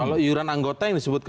kalau iuran anggota yang disebut